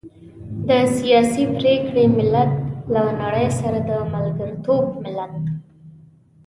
د سياسي پرېکړې ملت، له نړۍ سره د ملګرتوب ملت.